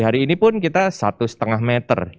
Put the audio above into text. hari ini pun kita satu lima meter